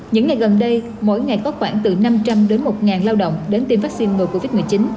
những ngày gần đây mỗi ngày có khoảng từ năm trăm linh đến một lao động đến tiêm vaccine ngừa covid một mươi chín